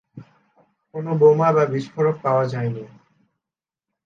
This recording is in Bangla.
কোন বোমা বা বিস্ফোরক পাওয়া যায়নি।